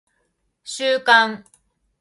収監